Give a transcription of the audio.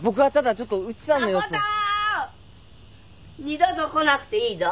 二度と来なくていいぞ。